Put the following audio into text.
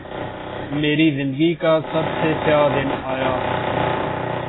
میری زندگی کا سب سے سیاہ دن آیا